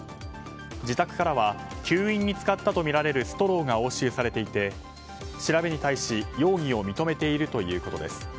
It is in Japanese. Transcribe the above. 自宅からは吸引に使ったとみられるストローが押収されていて調べに対し容疑を認めているということです。